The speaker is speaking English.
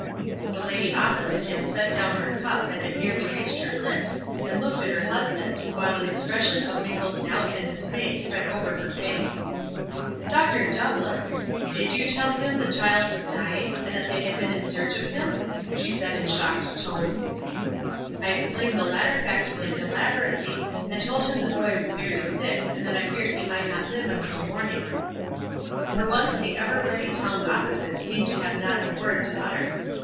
The lady opposite him set down her cup that had nearly reached her lips and looked at her husband, while an expression of mingled doubt and dismay spread over her face. " Dr. Douglass ! Did you tell him the child was dying, and that they had been in search of him?" she asked in shocked tones. "I explained the latter fact to him elaborate ly, and told him the boy was very sick, and that I feared he might not live until morning." WISE AND OTHERWISE. 25 For once tho ever ready tongue opposite seemed to have not a word to utter.